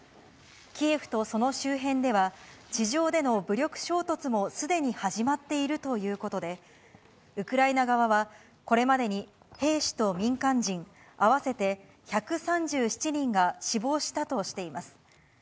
キエフとその周辺では、地上での武力衝突もすでに始まっているということで、ウクライナ側は、これまでに兵士と民間人合わせて１３７人が死亡したとしています。